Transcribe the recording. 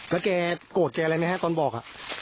แล้วแกโกรธแกอะไรไหมฮะตอนบอก